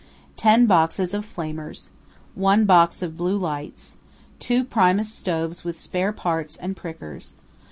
10 boxes of flamers. 1 box of blue lights. 2 Primus stoves with spare parts and prickers.